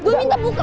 gue minta buka